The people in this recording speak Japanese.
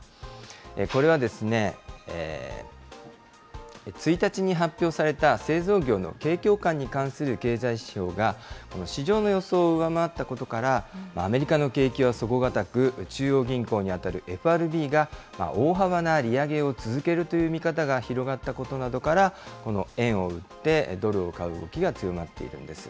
これはですね、１日に発表された製造業の景況感に関する経済指標が市場の予想を上回ったことから、アメリカの景気は底堅く、中央銀行に当たるＦＲＢが大幅な利上げを続けるという見方が広がったことなどから、この円を売ってドルを買う動きが強まっているんです。